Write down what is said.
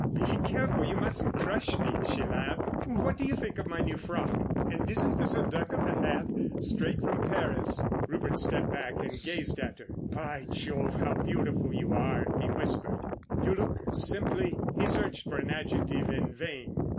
"Be careful, you mustn't crush me," she laughed. "What do you think of my new frock?—and isn't this a duck of a hat, straight from Paris?" Rupert stepped back and gazed at her. "By Jove, how beautiful you are," he whispered. "You look simply——" He searched for an adjective in vain.